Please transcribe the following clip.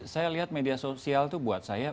saya lihat media sosial itu buat saya